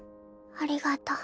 ありがとう。